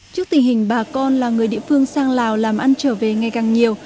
trước tình hình bà con là người địa phương sang lào làm ăn trở về ngày càng nhiều